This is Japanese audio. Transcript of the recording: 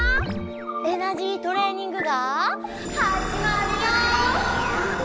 エナジートレーニングがはじまるよ！